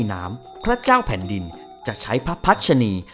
น้ำพระเจ้าแผ่นดินจะใช้พระพัชนี